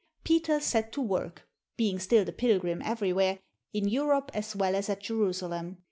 Peter set to work, being still the pilgrim everywhere, in Eu rope, as well as at Jerusalem.